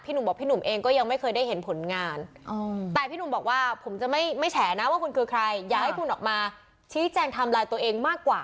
พี่หนุ่มบอกพี่หนุ่มเองก็ยังไม่เคยได้เห็นผลงาน